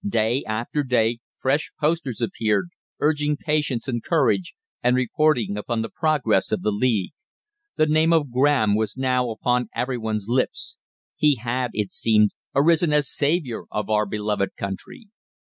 Day after day fresh posters appeared, urging patience and courage, and reporting upon the progress of the League. The name of Graham was now upon every one's lips. He had, it seemed, arisen as saviour of our beloved country.